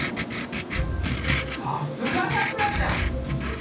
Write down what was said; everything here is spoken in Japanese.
さすがさくらちゃん！